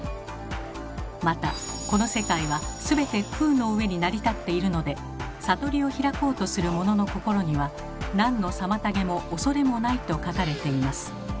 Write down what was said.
またこの世界はすべて「空」の上に成り立っているので悟りを開こうとする者の心には何の妨げも恐れもないと書かれています。